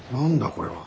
これは。